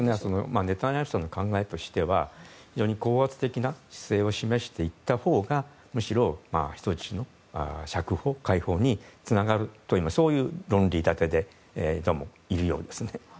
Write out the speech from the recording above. ネタニヤフさんの考えとしては非常に高圧的な姿勢を示していったほうがむしろ人質の解放につながるというそういう論理立てでいるようですね。